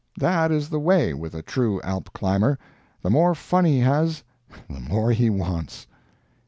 That is the way with a true Alp climber; the more fun he has, the more he wants.